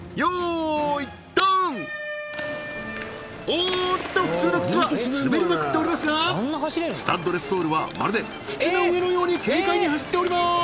おおっと普通の靴は滑りまくっておりますがスタッドレスソールはまるで土の上のように軽快に走っております